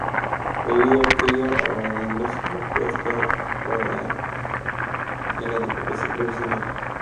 Debido a ello, abandonó su puesto en la Diputación Provincial.